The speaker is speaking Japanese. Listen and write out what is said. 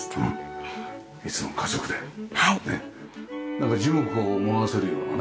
なんか樹木を思わせるようなね。